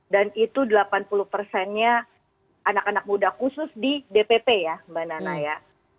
dan itu delapan puluh persennya anak anak muda khusus di dpp ya mbak nana ya